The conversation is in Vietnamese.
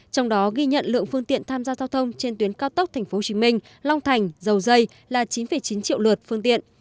trong đó ghi nhận lượng phương tiện tham gia giao thông trên tuyến cao tốc tp hcm long thành dầu dây là chín chín triệu lượt phương tiện